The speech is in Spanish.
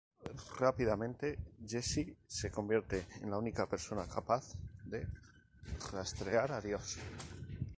Rápidamente, Jesse se convierte en la única persona capaz de rastrear a Dios.